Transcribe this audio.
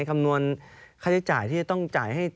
คำนวณค่าใช้จ่ายที่จะต้องจ่ายให้